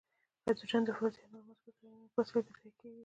هایدروجن د فلز یا نورو مثبتو آیونونو په وسیله بې ځایه کیږي.